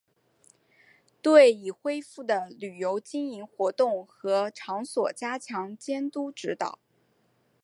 对已恢复的旅游经营活动和场所加强监督指导